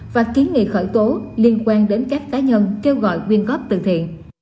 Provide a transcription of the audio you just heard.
và kiến nghị khởi tố liên quan đến các cá nhân kêu gọi quyên góp từ thiện